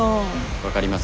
分かります。